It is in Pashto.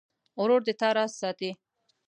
ورور د تا راز ساتي.